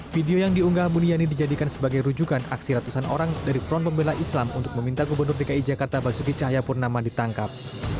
video yang diunggah buniani dijadikan sebagai rujukan aksi ratusan orang dari front pembela islam untuk meminta gubernur dki jakarta basuki cahayapurnama ditangkap